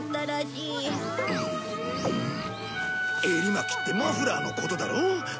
エリマキってマフラーのことだろ？